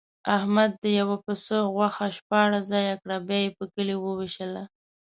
احمد د یوه پسه غوښه شپاړس ځایه کړه، بیا یې په کلي ووېشله.